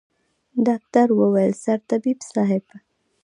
ډاکتر وويل سرطبيب صايب.